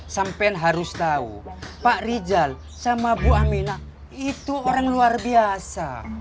sampean harus tahu pak rijal sama bu amina itu orang luar biasa